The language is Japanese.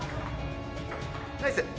ナイス。